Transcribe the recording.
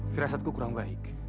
firasatku kurang baik